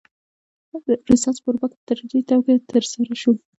رنسانس په اروپا کې په تدریجي توګه ترسره شو.